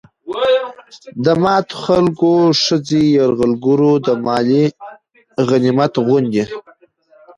د ماتو خلکو ښځې يرغلګرو د مال غنميت غوندې